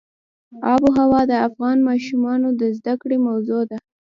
آب وهوا د افغان ماشومانو د زده کړې موضوع ده.